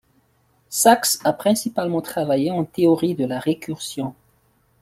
Sacks a principalement travaillé en théorie de la récursion.